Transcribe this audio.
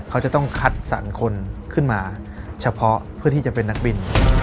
เขาจะต้องคัดสรรคนขึ้นมาเฉพาะเพื่อที่จะเป็นนักบิน